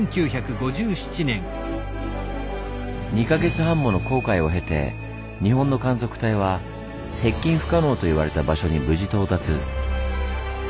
２か月半もの航海を経て日本の観測隊は接近不可能と言われた場所に無事到達。